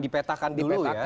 dipetakan dulu ya